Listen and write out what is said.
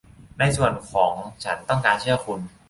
ในส่วนของฉันต้องการเชื่อคุณ